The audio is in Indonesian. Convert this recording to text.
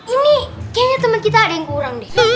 ini kayaknya temen kita ada yang kurang deh